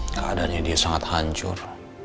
keadaannya dia sangat hancur